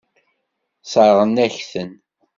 Sseṛɣen-ak-ten.